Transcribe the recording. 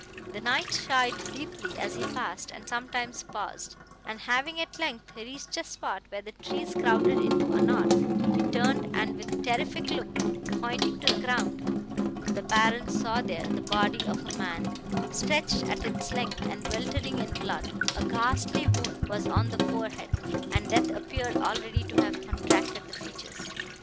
The Knight sighed deeply as he passed, and sometimes paused; and having, at length, reached a spot, where the trees crowded into a knot, he turned, and, with a terrific look, pointing to the ground, the Baron saw there the body of a man, stretched at its length, and weltering in blood; a ghastly wound was on the forehead, and death appeared already to have contracted the features.